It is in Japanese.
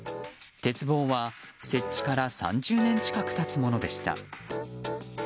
鉄棒は設置から３０年近く経つものでした。